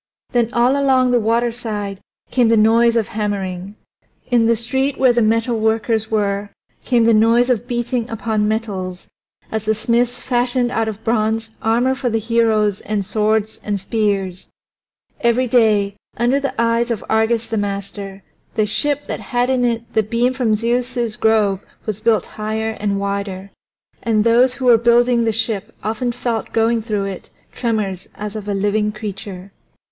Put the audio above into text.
Then all along the waterside came the noise of hammering; in the street where the metalworkers were came the noise of beating upon metals as the smiths fashioned out of bronze armor for the heroes and swords and spears. Every day, under the eyes of Argus the master, the ship that had in it the beam from Zeus's grove was built higher and wider. And those who were building the ship often felt going through it tremors as of a living creature.